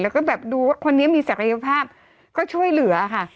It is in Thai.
แล้วก็แบบดูว่าคนนี้มีศักยภาพก็ช่วยเหลือค่ะ